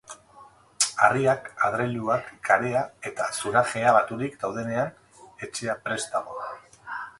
Harriak, adreiluak, karea eta zurajea baturik daudenean, etxea prest dago.